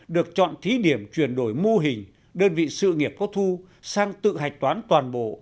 được chọn thí điểm chuyển đổi mô hình đơn vị sự nghiệp có thu sang tự hạch toán toàn bộ